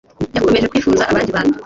yakomeje kwifuza abandi bantu